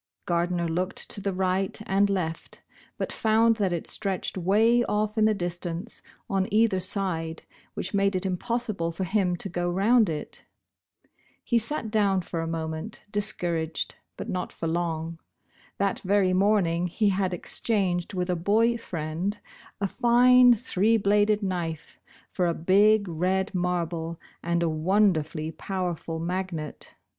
Gardner looked to the right and left, but found that it stretched way off in the distance, on either side, which made it impossible for him to go round it. He sat down for a moment, discouraged, but not for long. That very morning he had exchanged with a boy friend a line three bladed knife for a big red marble and a wonderfully powerful magnet.